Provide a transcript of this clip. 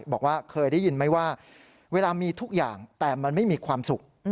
บอกว่าเคยได้ยินไหมว่าเวลามีทุกอย่างแต่มันไม่มีความสุข